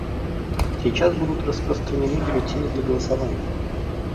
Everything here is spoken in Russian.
Сейчас будут распространены бюллетени для голосования.